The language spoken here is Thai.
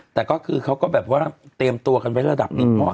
แต่ก็คือเขาก็แบบว่าเตรียมตัวกันไว้ระดับหนึ่งก่อน